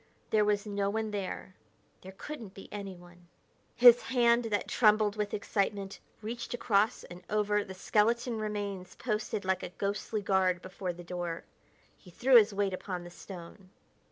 There was no one there; there couldn't be anyone. His hand, that trembled with excitement, reached across and over the skeleton remains posted like a ghostly guard before the door. He threw his weight upon the stone.